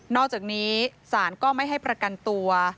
อกจากนี้ศาลก็ไม่ให้ประกันตัว